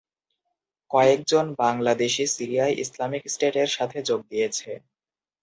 কয়েকজন বাংলাদেশি সিরিয়ায় ইসলামিক স্টেটের সাথে যোগ দিয়েছে।